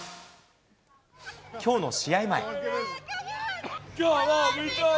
きょうの試合前。